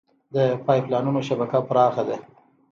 د پایپ لاینونو شبکه پراخه ده.